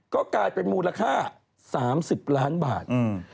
ก็กลายเป็นมูลค่า๓๐ล้านบาท